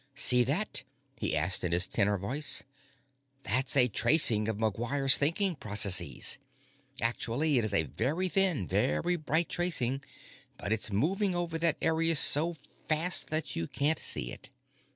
"See that?" he asked in his tenor voice. "That's a tracing of McGuire's thinking processes. Actually, it's a very thin, very bright tracing, but it's moving over that area so fast that you can't see it.